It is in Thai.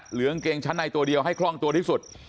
กางเกงชั้นในตัวเดียวให้คล่องตัวที่สุด